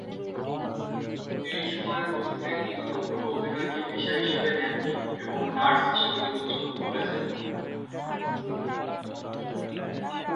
এই সময়ের মধ্যে, তিনি তখনও অভিনয়কে পেশা হিসাবে নেননি এবং নার্স হিসাবে জীবনযাপন করেছেন।